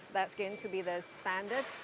dan itu akan menjadi standar